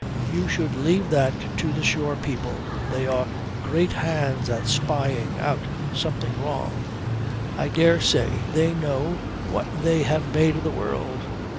You should leave that to the shore people. They are great hands at spying out something wrong. I dare say they know what they have made of the world.